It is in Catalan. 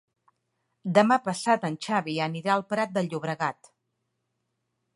Demà passat en Xavi anirà al Prat de Llobregat.